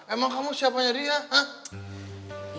emang kamu siapanya dia